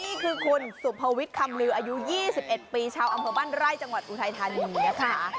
นี่คือคุณสุภวิทย์คำลืออายุ๒๑ปีชาวอำเภอบ้านไร่จังหวัดอุทัยธานีนะคะ